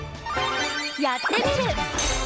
「やってみる。」